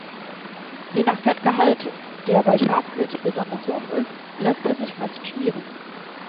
Je nach Fettgehalt, der bei Schafmilch besonders hoch ist, lässt er sich fast schmieren.